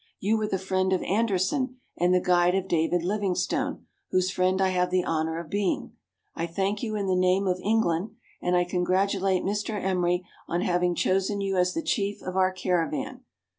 " You were the friend of Anderson and the guide of David Livingstone, whose friend I have the honour of being. I thank you in the name of England, and I congratulate Mr. Emery on having chosen you as the chief of our caravan.